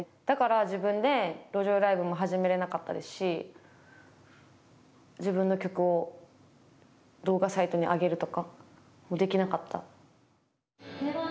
だから自分で路上ライブも始めれなかったですし自分の曲を動画サイトに上げるとかもできなかった。